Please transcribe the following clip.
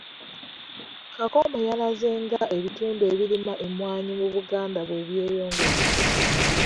Kakomo yalaze nga ebitundu ebirima emmwaanyi mu Buganda bwe byeyongedde.